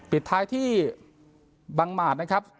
ปิดท้ายที่บังหมาดนะครับ